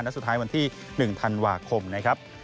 และสุดท้ายวันที่๑ธันวาคมนะครับ